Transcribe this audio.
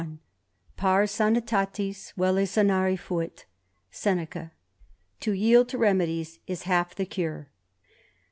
Pars sanitatis velU sanarifuit.^ SsNECA. *' To yield to remedies is half the cure."